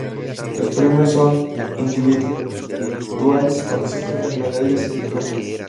Los premios son individuales y consisten, en medallas y diplomas.